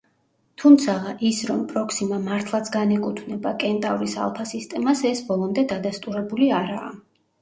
თუმცაღა ის, რომ პროქსიმა მართლაც განეკუთვნება კენტავრის ალფა სისტემას, ეს ბოლომდე დადასტურებული არაა.